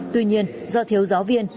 tuy nhiên do thiếu giáo viên